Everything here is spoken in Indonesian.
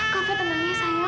kau tenang ya sayang